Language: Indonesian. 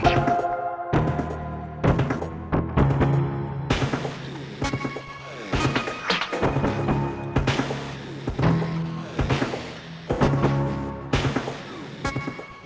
kalau anak ipa juga bisa menang